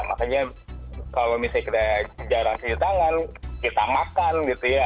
makanya kalau misalnya kita jarang siju tangan kita makan gitu ya atau kita sering ngusap ngusap wajah kita ya itu bisa jadi kalau misalnya